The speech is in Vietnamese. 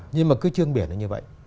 nhưng mà cứ trương biển nó như vậy